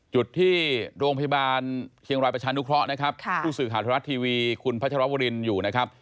จุดที่โรงพยาบาลเชียงรายประชานุเคราะห์นะครับผู้สื่อข่าวทรัฐทีวีคุณพัชรวรินอยู่นะครับ